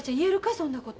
そんなこと。